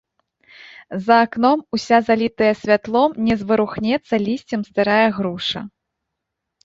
За акном уся залітая святлом не зварухнецца лісцем старая груша.